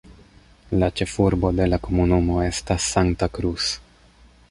La ĉefurbo de la komunumo estas Santa Cruz.